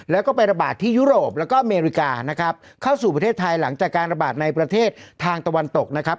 แล้วก็ไประบาดที่ยุโรปแล้วก็อเมริกานะครับเข้าสู่ประเทศไทยหลังจากการระบาดในประเทศทางตะวันตกนะครับ